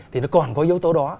thì nó còn có yếu tố đó